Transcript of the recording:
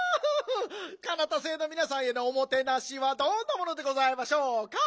カナタ星のみなさんへのおもてなしはどんなものでございましょうか？